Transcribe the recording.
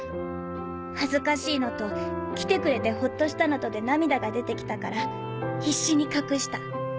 恥ずかしいのと来てくれてほっとしたのとで涙が出て来たから必死に隠した。